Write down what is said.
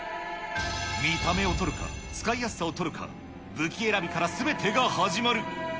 見た目を取るか、使いやすさを取るか、武器選びからすべてが始まる。